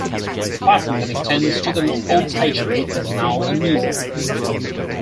The platform then extends to the old station which is now a museum.